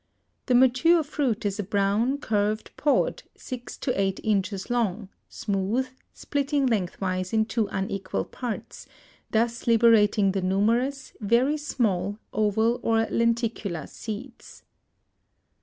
The mature fruit is a brown curved pod six to eight inches long, smooth, splitting lengthwise in two unequal parts, thus liberating the numerous, very small, oval or lenticular seeds.